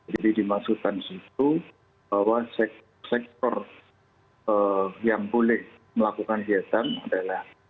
jadi dimaksudkan disitu bahwa sektor yang boleh melakukan kegiatan adalah